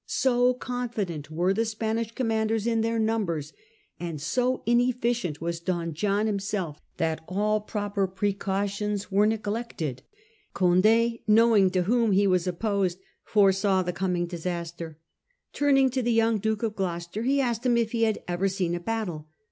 So confident were the Spanish commanders in their numbers, and so inefficient was Don John himself, that all proper precautions were neglected. Condd, knowing to whom he was opposed, foresaw the coming disaster. Turning to the young Duke of Gloucester he asked him if he had ever seen a battle.